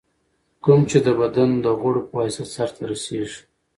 کوم چي د بدن د غړو په واسطه سرته رسېږي.